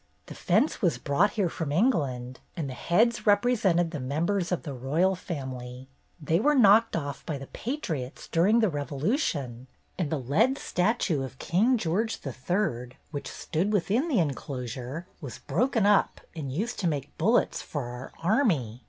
The fence was brought here from England, and the heads represented the members of the royal family. They were knocked off by the patriots during the Revolution, and the lead statue of King George III, which stood within the enclosure, was broken up and used to make bullets for our army.